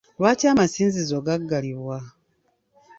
Lwaki amasinzizo gaggalibwa?